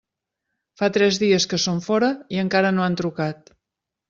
Fa tres dies que són fora i encara no han trucat.